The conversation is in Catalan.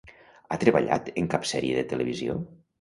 Ha treballat en cap sèrie de televisió?